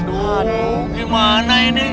waduh gimana ini